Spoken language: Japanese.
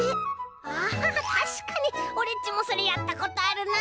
ああたしかにオレっちもそれやったことあるな。